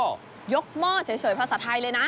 ยกหม้อเฉยภาษาไทยเลยนะ